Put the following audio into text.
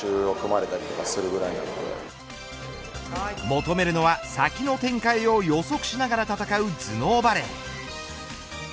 求めるのは先の展開を予測しながら戦う頭脳バレー。